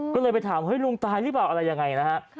ก็เลยไปถามเฮ้ยลุงตายหรือเปล่าอะไรยังไงนะฮะ